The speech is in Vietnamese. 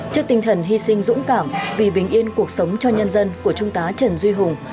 trước tinh thần hy sinh dũng cảm vì bình yên cuộc sống cho nhân dân của trung tá trần duy hùng